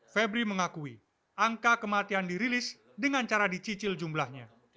febri mengakui angka kematian dirilis dengan cara dicicil jumlahnya